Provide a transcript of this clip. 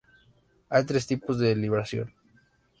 Hay tres tipos de libración.